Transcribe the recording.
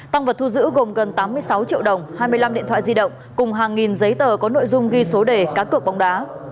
tăng vật thu giữ gồm gần tám mươi sáu triệu đồng hai mươi năm điện thoại di động cùng hàng nghìn giấy tờ có nội dung ghi số đề cá cược bóng đá